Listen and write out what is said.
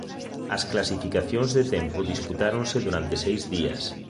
As clasificacións de tempo disputáronse durante seis días.